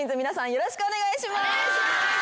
よろしくお願いします。